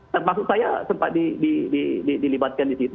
termasuk saya sempat dilibatkan di situ